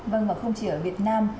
vâng và không chỉ ở việt nam